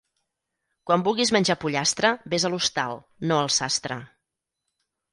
Quan vulguis menjar pollastre ves a l'hostal, no al sastre.